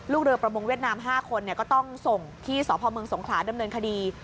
เรือประมงเวียดนาม๕คนก็ต้องส่งที่สพเมืองสงขลาดำเนินคดี